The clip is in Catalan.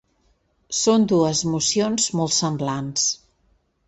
Són dues mocions molt semblants.